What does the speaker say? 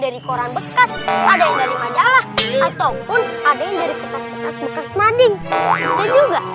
dari koran bekas ada yang dari majalah ataupun ada yang dari kertas kertas bekas manding ada juga